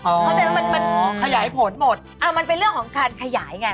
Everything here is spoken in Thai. เข้าใจว่ามันมันขยายผลหมดอ่ามันเป็นเรื่องของการขยายไง